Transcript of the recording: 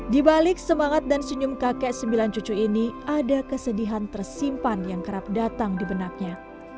di balik semangat dan senyum kakek sembilan cucu ini ada kesedihan tersimpan yang kerap datang di benaknya